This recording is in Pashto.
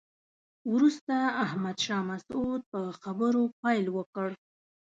وروسته احمد شاه مسعود په خبرو پیل وکړ.